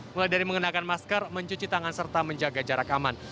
mulai dari mengenakan masker mencuci tangan serta menjaga jarak aman